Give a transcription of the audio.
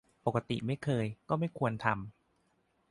ปกติไม่เคย ก็ไม่ควรทำ